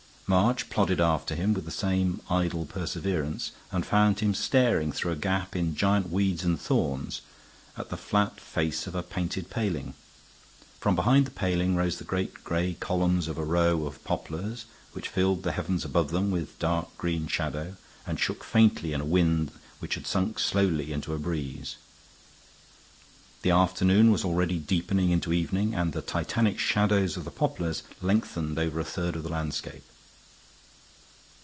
March plodded after him with the same idle perseverance, and found him staring through a gap in giant weeds and thorns at the flat face of a painted paling. From behind the paling rose the great gray columns of a row of poplars, which filled the heavens above them with dark green shadow and shook faintly in a wind which had sunk slowly into a breeze. The afternoon was already deepening into evening, and the titanic shadows of the poplars lengthened over a third of the landscape.